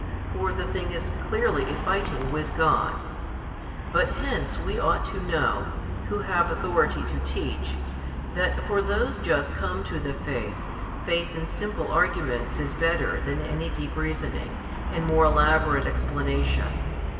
for the thing is clearly a fighting with God. But hence we ought to know, who have authority to teach, that for those just come to the faith, faith in simple arguments is better than any deep reasoning, and more elaborate explanation.